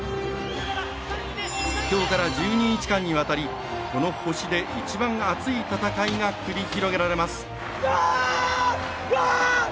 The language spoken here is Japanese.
きょうから１２日間にわたりこの星で、一番熱い戦いが繰り広げられます。